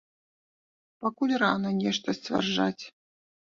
Пакуль рана нешта сцвярджаць.